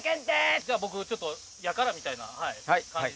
じゃあ僕やからみたいな感じで。